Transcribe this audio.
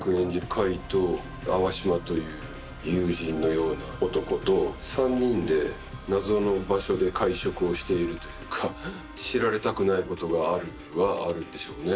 海と淡島という友人のような男と３人で謎の場所で会食をしているというか知られたくないことがあるにはあるんでしょうね